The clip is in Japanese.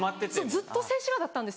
ずっと静止画だったんです。